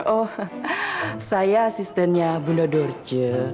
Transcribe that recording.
oh saya asistennya bunda dorce